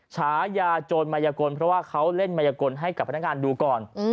ฉายาโจรมายกลเพราะว่าเขาเล่นมายกลให้กับพนักงานดูก่อน